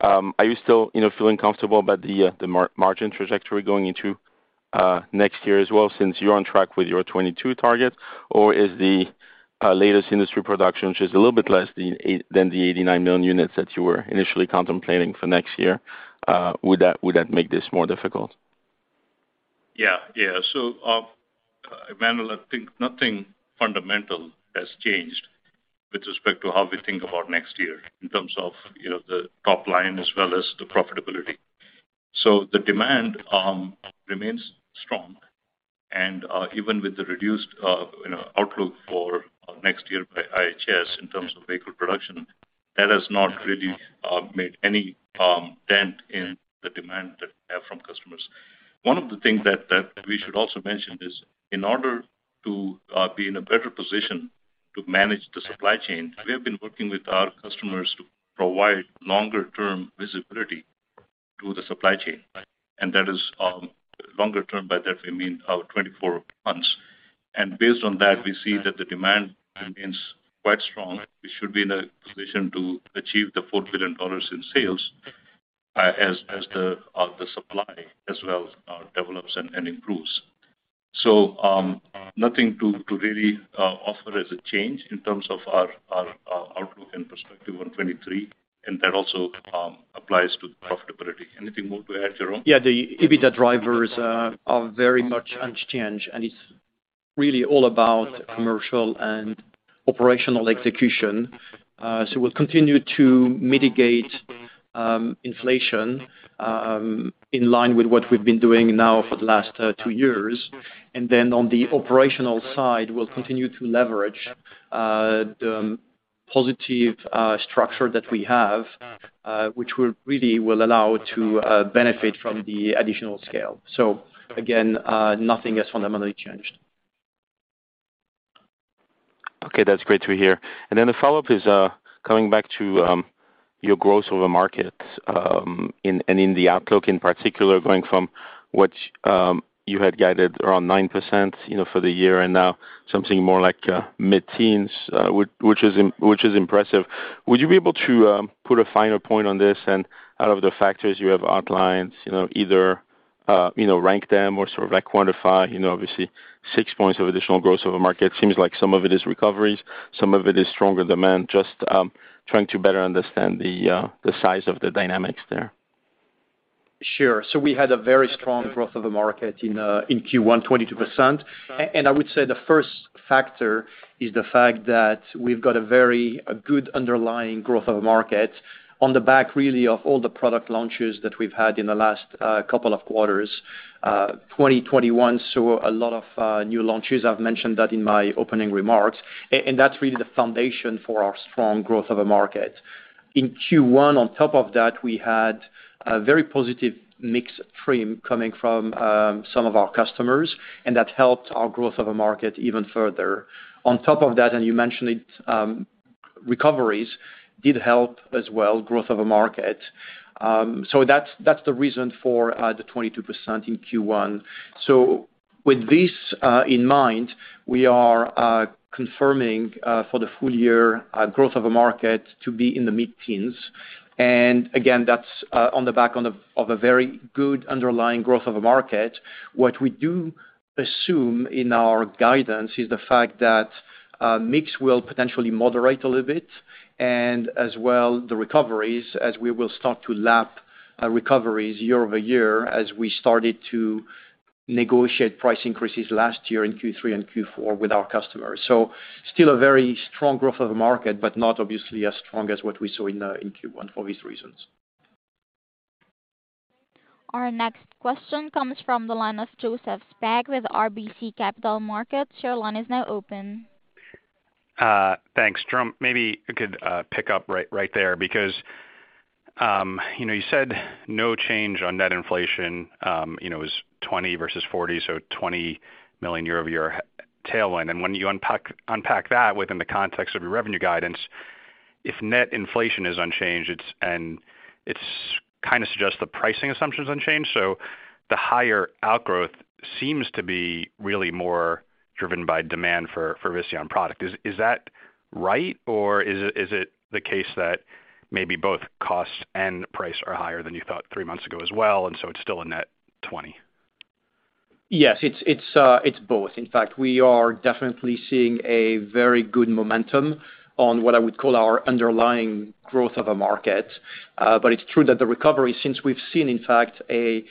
Are you still, you know, feeling comfortable about the margin trajectory going into next year as well, since you're on track with your 2022 target? Or is the latest industry production, which is a little bit less than the 89 million units that you were initially contemplating for next year, would that make this more difficult? Yeah, yeah. Emmanuel, I think nothing fundamental has changed with respect to how we think about next year in terms of, you know, the top-line as well as the profitability. The demand remains strong. Even with the reduced outlook for next year by IHS in terms of vehicle production, that has not really made any dent in the demand that we have from customers. One of the things that we should also mention is in order to be in a better position to manage the supply chain, we have been working with our customers to provide longer-term visibility to the supply chain. That is longer-term, by that we mean 24 months. Based on that, we see that the demand remains quite strong. We should be in a position to achieve the $4 billion in sales as the supply as well develops and improves. Nothing to really offer as a change in terms of our outlook and perspective on 2023, and that also applies to profitability. Anything more to add, Jerome? Yeah, the EBITDA drivers are very much unchanged, and it's really all about commercial and operational execution. We'll continue to mitigate inflation in line with what we've been doing now for the last two years. On the operational side, we'll continue to leverage the positive structure that we have, which will really allow to benefit from the additional scale. Again, nothing has fundamentally changed. Okay, that's great to hear. The follow-up is coming back to your growth over markets, and in the outlook in particular, going from what you had guided around 9%, you know, for the year and now something more like mid-teens, which is impressive. Would you be able to put a finer point on this? Out of the factors you have outlined, you know, either you know, rank them or sort of like quantify, you know, obviously 6 points of additional growth over market. Seems like some of it is recoveries, some of it is stronger demand. Just trying to better understand the size of the dynamics there. Sure. We had a very strong market growth in Q1, 22%. I would say the first factor is the fact that we've got a good underlying market growth on the back really of all the product launches that we've had in the last couple of quarters, 2021. A lot of new launches, I've mentioned that in my opening remarks, and that's really the foundation for our strong market growth. In Q1 on top of that, we had a very positive mix shift coming from some of our customers, and that helped our market growth even further. On top of that, and you mentioned it, recoveries did help as well, market growth. That's the reason for the 22% in Q1. With this in mind, we are confirming for the full-year growth of a market to be in the mid-teens. Again, that's on the back of a very good underlying growth of a market. What we do assume in our guidance is the fact that mix will potentially moderate a little bit, and as well, the recoveries as we will start to lap recoveries year-over-year as we started to negotiate price increases last year in Q3 and Q4 with our customers. Still a very strong growth of the market, but not obviously as strong as what we saw in Q1 for these reasons. Our next question comes from the line of Joseph Spak with RBC Capital Markets. Your line is now open. Thanks. Jerome, maybe you could pick up right there because, you know, you said no change on net inflation, you know, is $20 versus $40, so $20 million year-over-year tailwind. When you unpack that within the context of your revenue guidance, if net inflation is unchanged, it's kinda suggests the pricing assumption's unchanged. The higher outgrowth seems to be really more driven by demand for Visteon product. Is that right, or is it the case that maybe both costs and price are higher than you thought three months ago as well, and so it's still a net $20 million? Yes, it's both. In fact, we are definitely seeing a very good momentum on what I would call our underlying growth of a market. It's true that the recovery since we've seen, in fact, a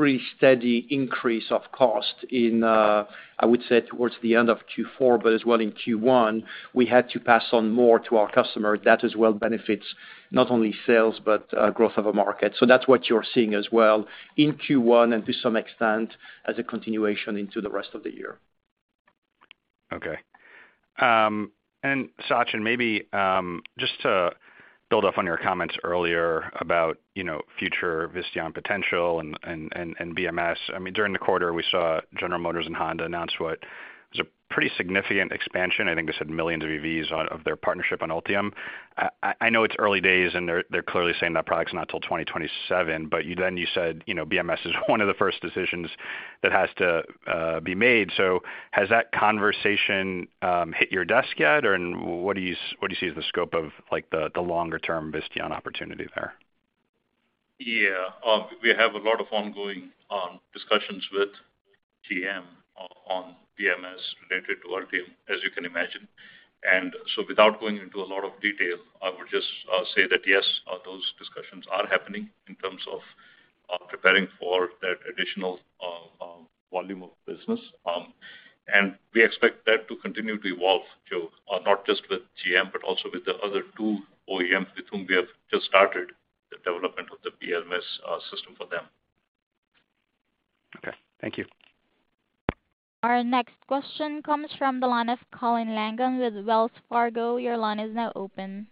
pretty steady increase of cost in, I would say towards the end of Q4, but as well in Q1, we had to pass on more to our customer. That as well benefits not only sales but, growth of a market. That's what you're seeing as well in Q1 and to some extent as a continuation into the rest of the year. Okay. Sachin, maybe just to build up on your comments earlier about, you know, future Visteon potential and BMS. I mean, during the quarter, we saw General Motors and Honda announce what was a pretty significant expansion. I think they said millions of EVs of their partnership on Ultium. I know it's early days, and they're clearly saying that product's not till 2027, but you said, you know, BMS is one of the first decisions that has to be made. Has that conversation hit your desk yet, or what do you see as the scope of like, the longer-term Visteon opportunity there? Yeah. We have a lot of ongoing discussions with GM on BMS related to our team, as you can imagine. Without going into a lot of detail, I would just say that yes, those discussions are happening in terms of preparing for that additional volume of business. We expect that to continue to evolve, Joe, not just with GM, but also with the other two OEMs with whom we have just started the development of the BMS system for them. Okay, thank you. Our next question comes from the line of Colin Langan with Wells Fargo. Your line is now open.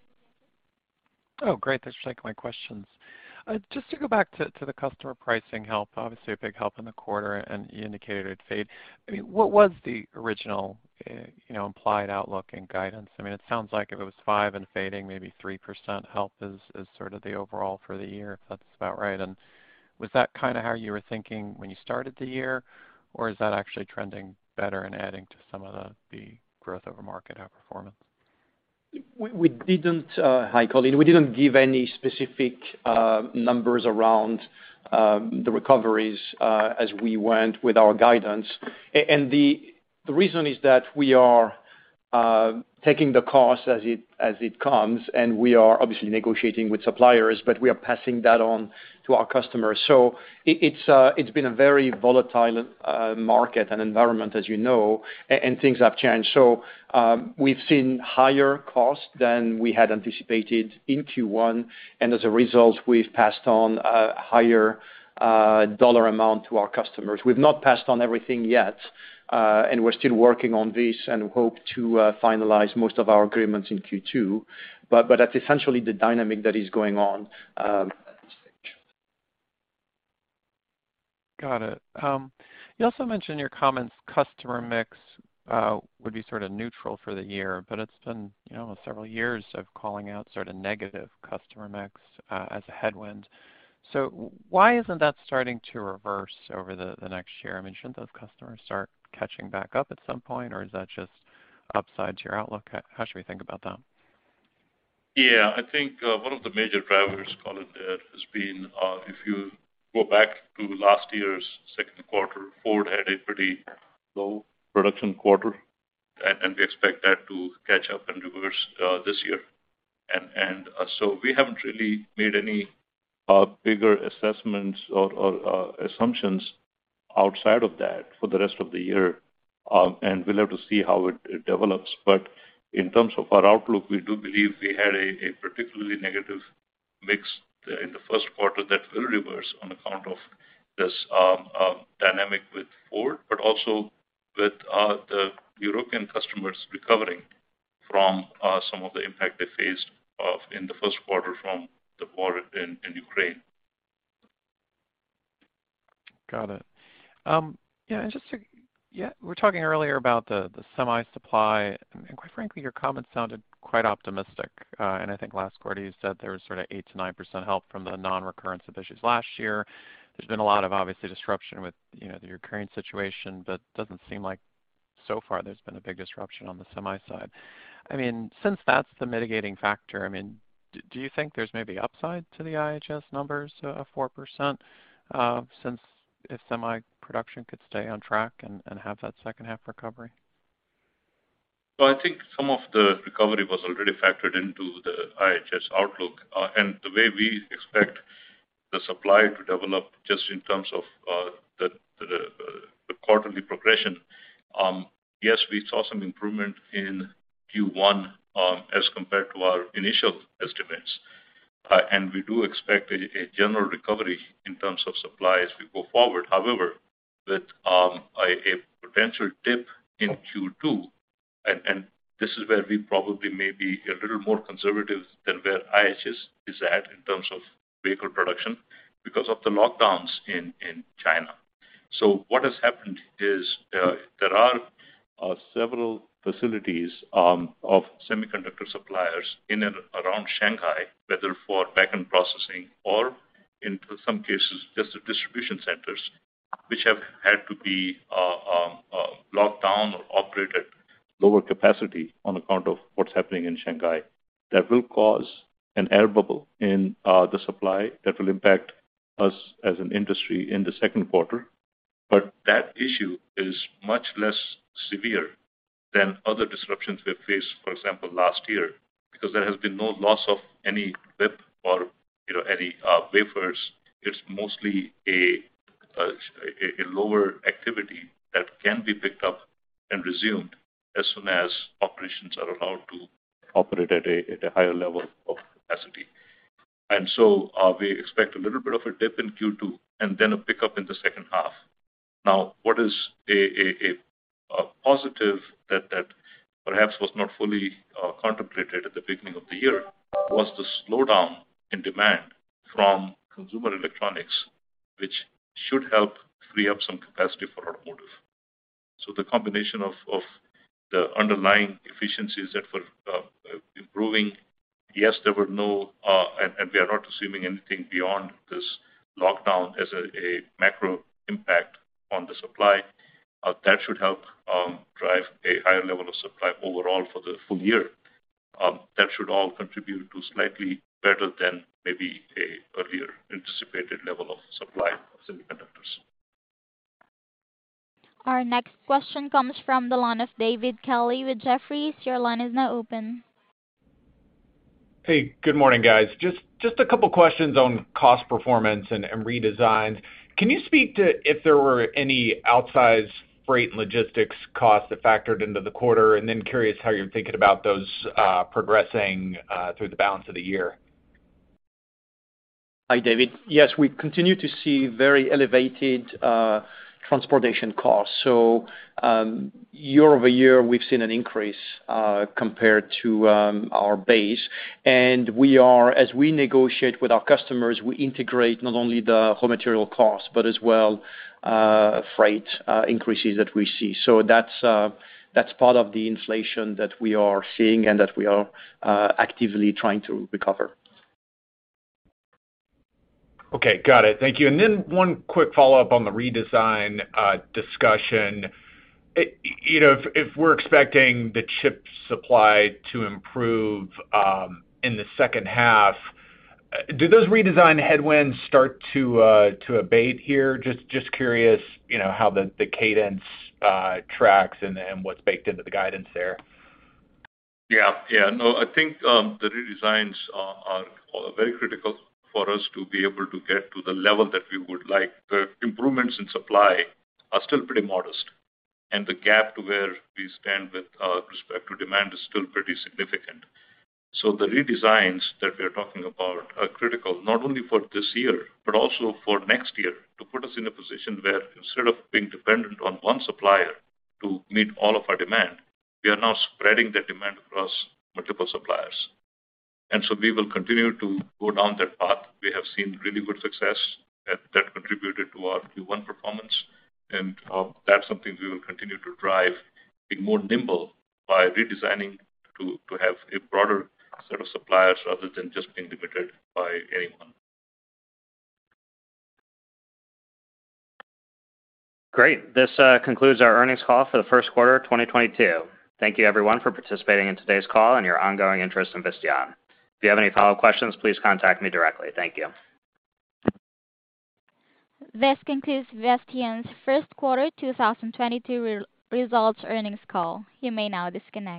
Oh, great. Thanks for taking my questions. Just to go back to the customer pricing help, obviously a big help in the quarter, and you indicated it would fade. I mean, what was the original, you know, implied outlook and guidance? I mean, it sounds like if it was 5% and fading, maybe 3% help is sort of the overall for the year, if that's about right. Was that kinda how you were thinking when you started the year? Or is that actually trending better and adding to some of the growth over market outperformance? Hi, Colin. We didn't give any specific numbers around the recoveries as we went with our guidance. The reason is that we are taking the cost as it comes, and we are obviously negotiating with suppliers, but we are passing that on to our customers. It's been a very volatile market and environment, as you know, and things have changed. We've seen higher costs than we had anticipated in Q1, and as a result, we've passed on a higher dollar amount to our customers. We've not passed on everything yet, and we're still working on this and hope to finalize most of our agreements in Q2, but that's essentially the dynamic that is going on at this stage. Got it. You also mentioned in your comments customer mix would be sort of neutral for the year, but it's been, you know, several years of calling out sort of negative customer mix as a headwind. Why isn't that starting to reverse over the next year? I mean, shouldn't those customers start catching back up at some point, or is that just upside to your outlook? How should we think about that? Yeah. I think one of the major drivers, Colin, there has been if you go back to last year's second quarter, Ford had a pretty low production quarter, and we expect that to catch up and reverse this year. We haven't really made any bigger assessments or assumptions outside of that for the rest of the year, and we'll have to see how it develops. In terms of our outlook, we do believe we had a particularly negative mix in the first quarter that will reverse on account of this dynamic with Ford, but also with the European customers recovering from some of the impact they faced in the first quarter from the war in Ukraine. Got it. Yeah, we were talking earlier about the semi supply, and quite frankly, your comments sounded quite optimistic. I think last quarter you said there was sort of 8%-9% help from the non-recurrence of issues last year. There's been a lot of obvious disruption with, you know, the Ukraine situation, but doesn't seem like so far there's been a big disruption on the semi side. I mean, since that's the mitigating factor, I mean, do you think there's maybe upside to the IHS numbers of 4%, since if semi production could stay on track and have that second half recovery? Well, I think some of the recovery was already factored into the IHS outlook. The way we expect the supply to develop, just in terms of the quarterly progression, yes, we saw some improvement in Q1 as compared to our initial estimates. We do expect a general recovery in terms of supply as we go forward. However, with a potential dip in Q2, this is where we probably may be a little more conservative than where IHS is at in terms of vehicle production because of the lockdowns in China. What has happened is, there are several facilities of semiconductor suppliers in and around Shanghai, whether for back-end processing or in some cases just the distribution centers, which have had to be locked down or operate at lower capacity on account of what's happening in Shanghai. That will cause an air bubble in the supply that will impact us as an industry in the second quarter. But that issue is much less severe than other disruptions we have faced, for example, last year, because there has been no loss of any chip or, you know, any wafers. It's mostly a lower activity that can be picked up and resumed as soon as operations are allowed to operate at a higher level of capacity. We expect a little bit of a dip in Q2 and then a pickup in the second half. Now, what is a positive that perhaps was not fully contemplated at the beginning of the year was the slowdown in demand from consumer electronics, which should help free up some capacity for automotive. The combination of the underlying efficiencies that were improving, yes, there were no and we are not assuming anything beyond this lockdown as a macro impact on the supply, that should help drive a higher level of supply overall for the full-year. That should all contribute to slightly better than maybe an earlier anticipated level of supply of semiconductors. Our next question comes from the line of David Kelley with Jefferies. Your line is now open. Hey, good morning, guys. Just a couple questions on cost performance and redesigns. Can you speak to if there were any outsized freight and logistics costs that factored into the quarter? Curious how you're thinking about those progressing through the balance of the year. Hi, David. Yes, we continue to see very elevated transportation costs. Year-over-year we've seen an increase compared to our base. We are, as we negotiate with our customers, we integrate not only the raw material costs, but as well, freight increases that we see. That's part of the inflation that we are seeing and that we are actively trying to recover. Okay. Got it. Thank you. One quick follow-up on the redesign discussion. You know, if we're expecting the chip supply to improve in the second half, do those redesign headwinds start to abate here? Just curious, you know, how the cadence tracks and what's baked into the guidance there. Yeah. Yeah, no, I think, the redesigns are very critical for us to be able to get to the level that we would like. The improvements in supply are still pretty modest, and the gap to where we stand with respect to demand is still pretty significant. The redesigns that we're talking about are critical, not only for this year, but also for next year, to put us in a position where instead of being dependent on one supplier to meet all of our demand, we are now spreading the demand across multiple suppliers. We will continue to go down that path. We have seen really good success at that contributed to our Q1 performance, and that's something we will continue to drive, being more nimble by redesigning to have a broader set of suppliers rather than just being limited by any one. Great. This concludes our earnings call for the first quarter of 2022. Thank you everyone for participating in today's call and your ongoing interest in Visteon. If you have any follow-up questions, please contact me directly. Thank you. This concludes Visteon's first quarter 2022 results earnings call. You may now disconnect.